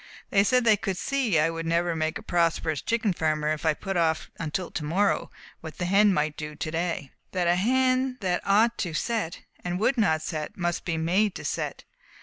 They said they could see I would never make a prosperous chicken farmer if I put off until to morrow what the hen ought to do to day, and that a hen that ought to set, and would not set, must be made to set.